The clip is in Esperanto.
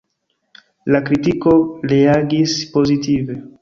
La kritiko reagis pozitive.